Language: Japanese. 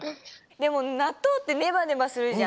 でもなっとうってネバネバするじゃん。